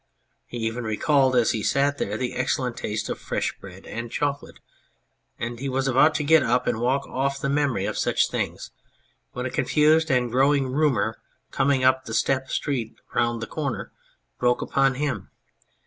He even recalled as he there sat the excellent taste of fresh bread and chocolate, and he was about to get up and walk off the memory of such things when a confused and growing rumour coming up the steep street round the corner broke upon him.